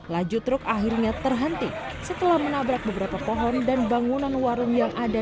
laju truk akhirnya terhenti setelah menabrak beberapa pohon dan bangunan warung yang ada